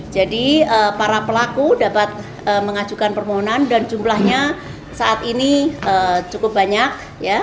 jadi para pelaku dapat mengajukan permohonan dan jumlahnya saat ini cukup banyak